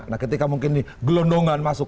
nah ketika mungkin ini gelondongan masuk